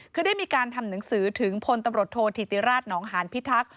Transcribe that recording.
คือได้มีการทำหนังสือถึงพลตำรวจโทษธิติราชหนองหานพิทักษ์